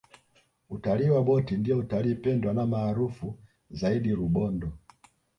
utalii wa boti ndiyo utalii pendwa na maarufu zaidi rubondo